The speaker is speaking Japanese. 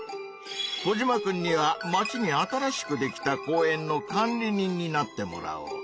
コジマくんには「町に新しくできた公園の管理人」になってもらおう。